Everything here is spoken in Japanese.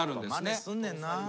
まねすんねんな。